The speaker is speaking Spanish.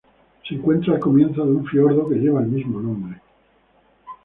Se encuentra al comienzo de un fiordo que lleva el mismo nombre.